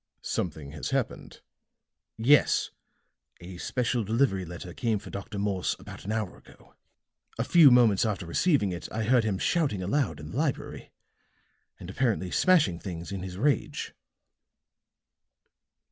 "Something has happened?" "Yes. A special delivery letter came for Dr. Morse about an hour ago. A few moments after receiving it I heard him shouting aloud in the library, and apparently smashing things in his rage."